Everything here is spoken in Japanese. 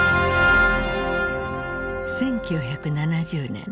１９７０年